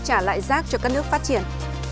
trả lại rác cho các nước phát triển